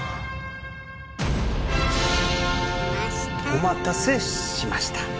お待たせしました。